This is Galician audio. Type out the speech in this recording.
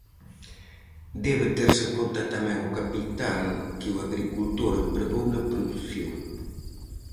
Debe terse en conta tamén o capital que o agricultor empregou na produción.